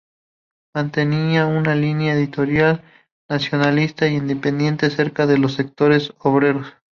Mantenía una línea editorial nacionalista e independiente, cercana a los sectores obreros.